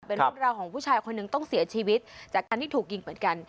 เป็นเรื่องราวของผู้ชายคนหนึ่งต้องเสียชีวิตจากการที่ถูกยิงเหมือนกัน